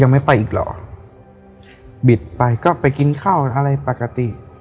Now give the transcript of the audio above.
ไม่ไปอีกหรอบิดไปก็ไปกินข้าวอะไรปกติ